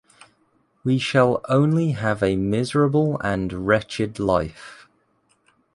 We shall only have a miserable and wretched life.